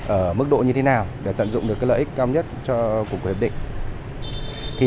ở mức độ như thế nào để tận dụng được lợi ích cao nhất cho của hiệp định